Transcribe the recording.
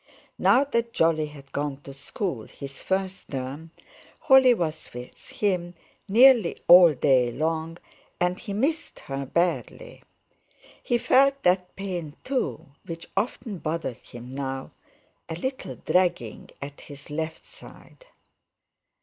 Now that Jolly had gone to school—his first term—Holly was with him nearly all day long, and he missed her badly. He felt that pain too, which often bothered him now, a little dragging at his left side.